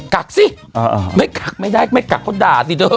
กักซิไม่กักก็ด่าสิ